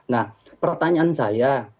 nah pertanyaan saya